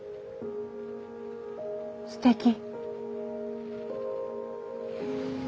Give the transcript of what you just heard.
すてき。